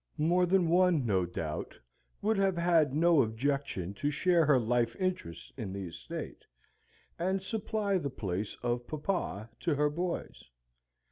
More than one, no doubt, would have had no objection to share her life interest in the estate, and supply the place of papa to her boys.